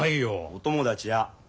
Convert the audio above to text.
お友達や。